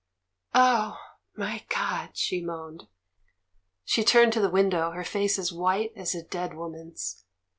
"Oh, my God!" she moaned. She turned to the window, her face as white as a dead woman's.